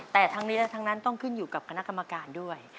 แต่ทั้งนี้ต้องขึ้นอยู่กับคณะกรรมการด้วย